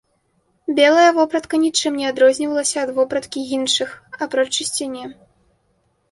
Белая вопратка нічым не адрознівалася ад вопраткі іншых, апроч чысціні.